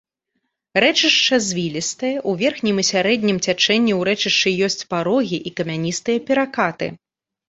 Рэчышча звілістае, у верхнім і сярэднім цячэнні ў рэчышчы ёсць парогі і камяністыя перакаты.